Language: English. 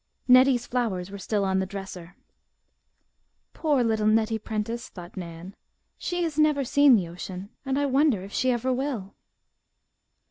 Nettie's flowers were still on the dresser. "Poor little Nettie Prentice," thought Nan. "She has never seen the ocean and I wonder if she ever will!"